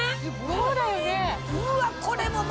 そうだよね。